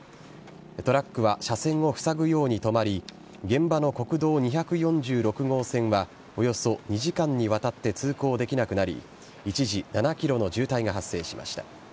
トラックは車線をふさぐように止まり現場の国道２４６号線はおよそ２時間にわたって通行できなくなり一時、７ｋｍの渋滞が発生しました。